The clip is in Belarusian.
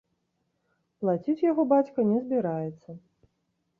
Плаціць яго бацька не збіраецца.